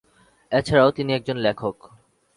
এছাড়াও তিনি একজন লেখক।